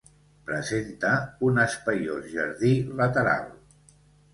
Presenta un espaiós jardí lateral.